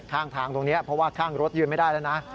ข้างทางตรงนี้เพราะว่าข้างรถยืนไม่ได้แล้วนะ